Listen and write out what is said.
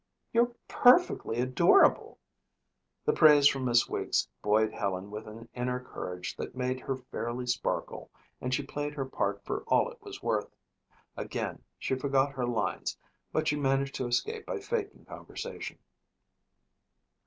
"You're perfectly adorable." The praise from Miss Weeks buoyed Helen with an inner courage that made her fairly sparkle and she played her part for all it was worth. Again she forgot her lines but she managed to escape by faking conversation.